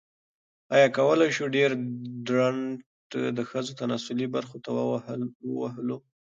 ایا کولی شو ډیوډرنټ د ښځو تناسلي برخو ته ووهلو؟